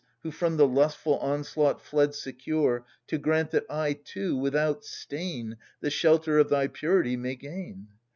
Who from the lustful onslaught fled secure, To grant that I too without stain The shelter of thy purity may gain